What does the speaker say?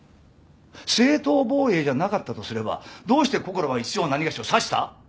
正当防衛じゃなかったとすればどうしてこころは一条なにがしを刺した？